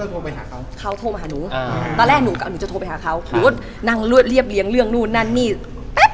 เหมือนนางก็เริ่มรู้แล้วเหมือนนางก็โทรมาเหมือนนางก็เริ่มรู้แล้วเหมือนนางก็เริ่มรู้แล้ว